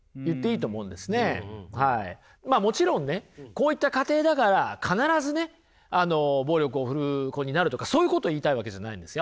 まあもちろんねこういった家庭だから必ずね暴力を振るう子になるとかそういうこと言いたいわけじゃないんですよ。